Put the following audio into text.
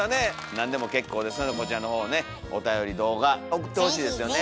何でも結構ですのでこちらのほうねおたより動画送ってほしいですよね。